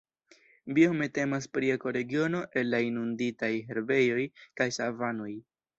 Biome temas pri ekoregiono el la inunditaj herbejoj kaj savanoj.